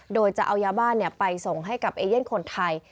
โดยจะเอายาบ้านไปส่งให้กับเอเย่นคนไทย